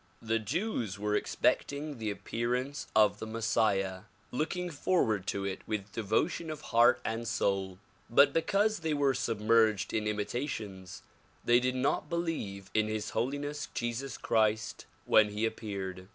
The Jews were expecting the appearance of the IMessiah, look ing forward to it with devotion of heart and soul but because they were submerged in imitations they did not believe in His Holiness Jesus Christ when he appeared.